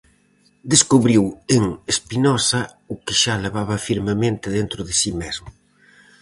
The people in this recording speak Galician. Descubriu en Espinosa o que xa levaba firmemente dentro de si mesmo.